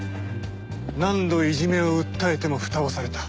何度いじめを訴えてもふたをされた。